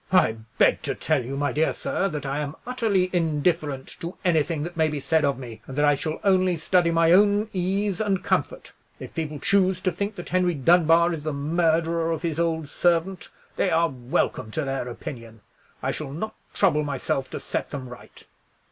I beg to tell you, my dear sir, that I am utterly indifferent to anything that may be said of me: and that I shall only study my own ease and comfort. If people choose to think that Henry Dunbar is the murderer of his old servant, they are welcome to their opinion: I shall not trouble myself to set them right."